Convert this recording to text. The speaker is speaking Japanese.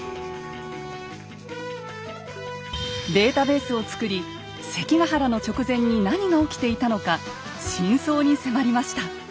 データベースを作り関ヶ原の直前に何が起きていたのか真相に迫りました。